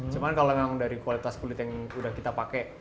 cuman kalau memang dari kualitas kulit yang udah kita pakai